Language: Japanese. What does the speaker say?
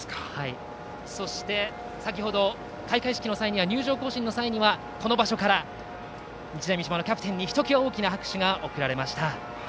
そして、先ほど開会式の際や入場行進の際にはこの場所から日大三島のキャプテンにひときわ大きな拍手が送られました。